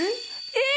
えっ！